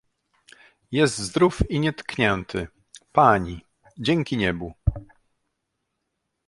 "jest zdrów i nietknięty, pani, dzięki niebu!"